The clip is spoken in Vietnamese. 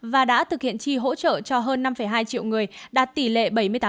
và đã thực hiện chi hỗ trợ cho hơn năm hai triệu người đạt tỷ lệ bảy mươi tám